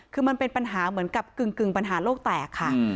คือมันเป็นปัญหาเหมือนกับกึ่งปัญหาโลกแตกค่ะ